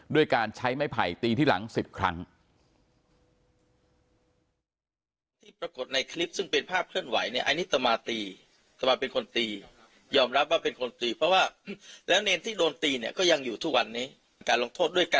ด้วยการใช้ไม้ไผ่ตีที่หลัง๑๐ครั้ง